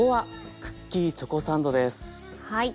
はい。